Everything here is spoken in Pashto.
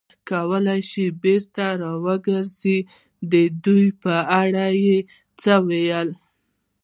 کولای شو بېرته را وګرځو، د دوی په اړه څه وایې؟